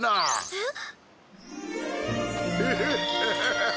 えっ？